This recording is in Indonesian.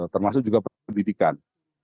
termasuk juga pendidikan